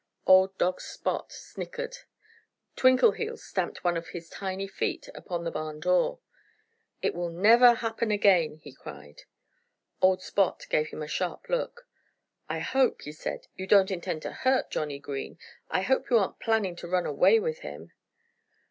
Old dog Spot snickered. Twinkleheels stamped one of his tiny feet upon the barn floor. "It will never happen again!" he cried. Old Spot gave him a sharp look. "I hope," he said, "you don't intend to hurt Johnnie Green. I hope you aren't planning to run away with him."